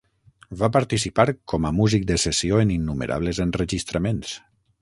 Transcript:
Va participar com a músic de sessió en innumerables enregistraments.